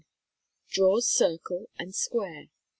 Draws circle and square.